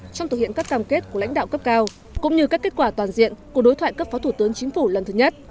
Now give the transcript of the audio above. trong thực hiện các cam kết của lãnh đạo cấp cao cũng như các kết quả toàn diện của đối thoại cấp phó thủ tướng chính phủ lần thứ nhất